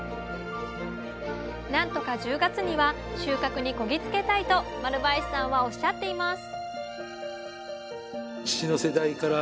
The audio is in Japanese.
何とか１０月には収穫にこぎ着けたいと丸林さんはおっしゃっています